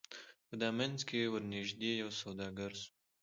په دامنځ کي ورنیژدې یو سوداګر سو